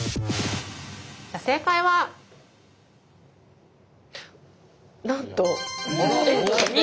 正解はなんと！